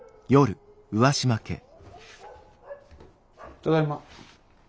ただいま。